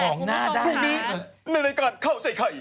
พรุ่งนี้ในรายการเข้าใส่ไข่